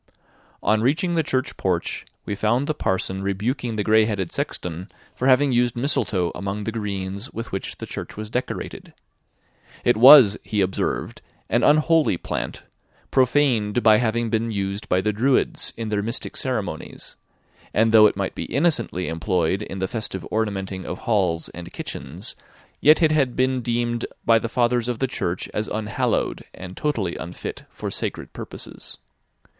On reaching the church porch, we found the parson rebuking the gray headed sexton for having used mistletoe among the greens with which the church was decorated. It was, he observed, an unholy plant, profaned by having been used by the Druids in their mystic ceremonies; and though it might be innocently employed in the festive ornamenting of halls and kitchens, yet it had been deemed by the Fathers of the Church as unhallowed, and totally unfit for sacred purposes.